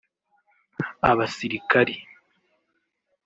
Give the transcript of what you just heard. abasirikari